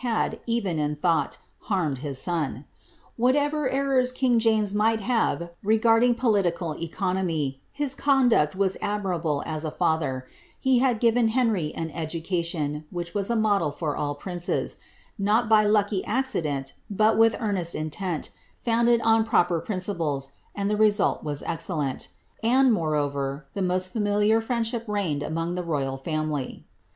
had, even in thought, harmed his son. Whatever errors king James might have regarding political eco nomy, his conduct was admirable as a father, he had given Henry an education, which was a model for all princes ; not by lucky accident, but with earnest intent, founded on proper principles, and the result was excellent; and, moreover, the most familiar friendship reigned among the royal family.